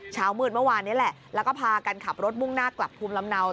เช้ามืดเมื่อวานนี้แหละแล้วก็พากันขับรถมุ่งหน้ากลับภูมิลำเนา